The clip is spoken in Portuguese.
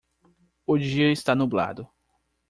O dia está nublado